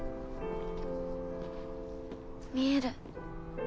見える。